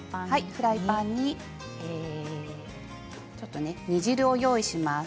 フライパンに煮汁を用意します。